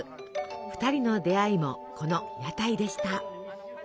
２人の出会いもこの屋台でした。